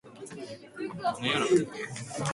もうあきた